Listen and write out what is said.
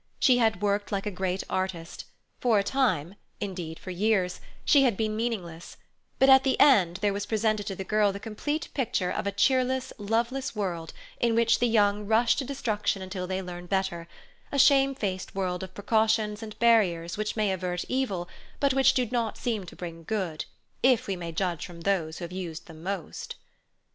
She had worked like a great artist; for a time—indeed, for years—she had been meaningless, but at the end there was presented to the girl the complete picture of a cheerless, loveless world in which the young rush to destruction until they learn better—a shamefaced world of precautions and barriers which may avert evil, but which do not seem to bring good, if we may judge from those who have used them most.